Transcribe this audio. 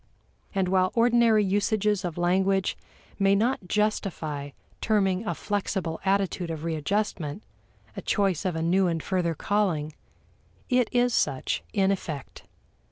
And while ordinary usages of language may not justify terming a flexible attitude of readjustment a choice of a new and further calling, it is such in effect.